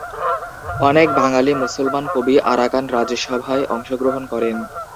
অনেক বাঙালি মুসলমান কবি আরাকান রাজসভায় অংশগ্রহণ করেন।